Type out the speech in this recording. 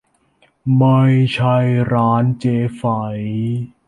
ไม่ใช่ร้านเจ๊ไฝ